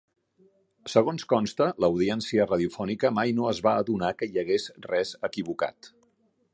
Segons consta, l'audiència radiofònica mai no es va adonar que hi hagués res equivocat.